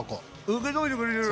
受け止めてくれてる！